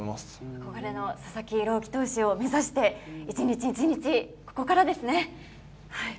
憧れの佐々木朗希投手を目指して一日一日ここからですね！